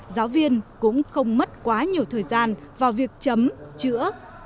giáo viên cũng không mất quá nhiều thời gian vào việc chấm chữa